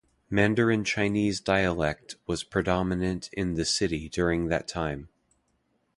Mandarin Chinese dialect was predominant in the city during that time.